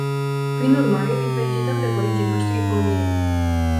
Prin urmare, îi felicităm pe colegii noștri coreeni.